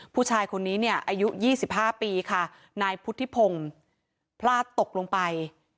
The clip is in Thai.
ผู้ชายคนนี้เนี่ยอายุ๒๕ปีค่ะนายพุทธิพงศ์พลาดตกลงไป